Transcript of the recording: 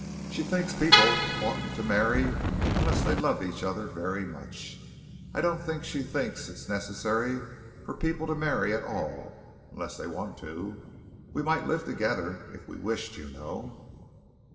She thinks people oughtn't to marry unless they love each other very much. I don't think she thinks it's necessary for people to marry at all unless they want to. We might live together if we wished, you know."